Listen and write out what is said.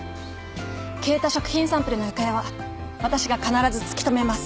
消えた食品サンプルの行方は私が必ず突き止めます。